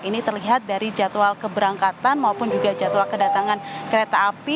ini terlihat dari jadwal keberangkatan maupun juga jadwal kedatangan kereta api